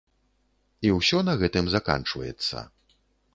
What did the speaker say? І ўсё на гэтым заканчваецца.